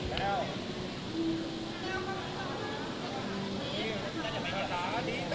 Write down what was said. แล้วกับว่านี้นี่เวลาไหย